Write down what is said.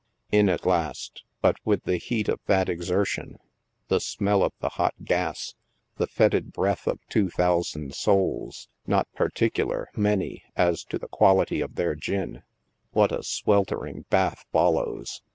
In at last, but with the heat of that exertion — the smell of the hot gas — the fetid breath of two thous and souls, not particular, many, as to the quality of their gin— what a sweltering bath follows